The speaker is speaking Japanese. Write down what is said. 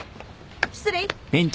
失礼。